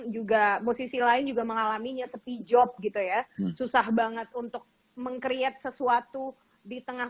juga musisi lain juga mengalaminya sepi job gitu ya susah banget untuk meng create sesuatu di tengah